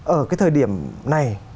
ở cái thời điểm này